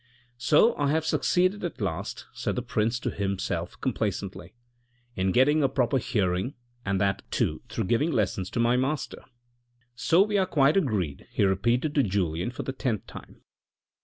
"So I have succeeded at last," said the prince to himself complacently, " in getting a proper hearing and that too through giving lessons to my master." " So we are quite agreed," he repeated to Julien for the tenth time.